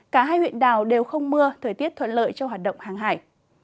cả hai huyện đảo đều không mưa thời tiết thuận lợi cho hoạt động hàng hải